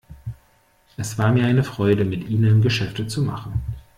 Es war mir eine Freude, mit Ihnen Geschäfte zu machen.